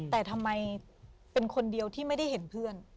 แต่ทำไมเป็นคนเดียวที่ไม่ได้เห็นเพื่อน